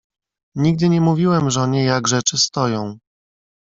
"Nigdy nie mówiłem żonie jak rzeczy stoją."